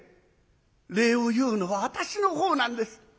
礼を言うのは私の方なんです。